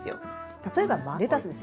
例えばレタスですよね